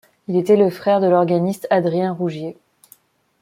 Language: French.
Il était le frère de l'organiste Adrien Rougier.